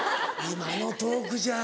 今のトークじゃ。